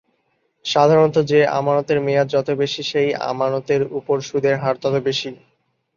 সাধারণত, যে আমানতের মেয়াদ যত বেশি সেই আমানতের উপর সুদের হার তত বেশি।